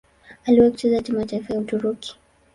Aliwahi kucheza timu ya taifa ya Uturuki.